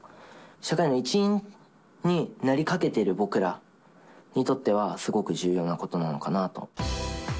社会の一員になりかけている僕らにとっては、すごく重要なことなのかなと。